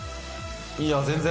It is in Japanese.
いや全然。